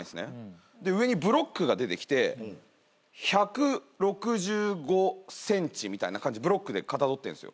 で上にブロックが出てきて「１６５ｃｍ」みたいな感じでブロックでかたどってんすよ。